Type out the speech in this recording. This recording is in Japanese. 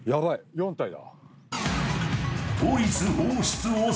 ４体だ。